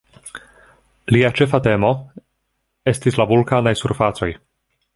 Lia ĉefa temo estis la vulkanaj surfacoj.